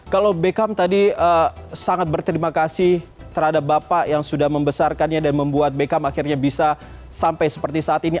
kalau beckham tadi sangat berterima kasih terhadap bapak yang sudah membesarkannya dan membuat beckham akhirnya bisa sampai seperti saat ini